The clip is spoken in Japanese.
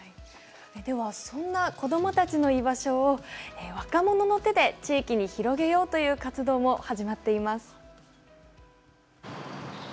そんな子どもたちの居場所を若者の手で地域に広げようという活動も始まっています。